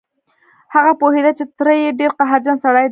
هغه پوهېده چې تره يې ډېر قهرجن سړی دی.